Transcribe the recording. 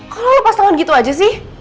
kalau lepas tangan gitu aja sih